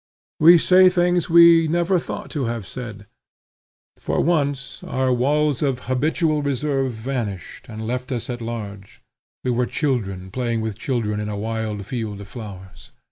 We say things we never thought to have said; for once, our walls of habitual reserve vanished and left us at large; we were children playing with children in a wide field of flowers.